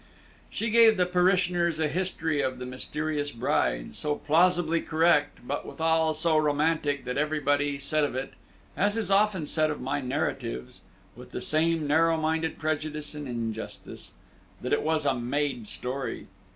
She gave the parishioners a history of the Mysterious Bride, so plausibly correct, but withal so romantic, that everybody said of it (as is often said of my narratives, with the same narrow minded prejudice and injustice) that it was a made story.